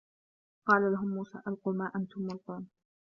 قال لهم موسى ألقوا ما أنتم ملقون